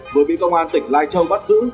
vừa bị công an tỉnh lai châu bắt giữ